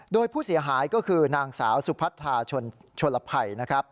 โดยผู้เสียหายก็คือนางสาวสุพัทธาชนลภัยนะครับ